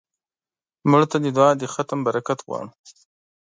مړه ته د دعا د ختم برکت غواړو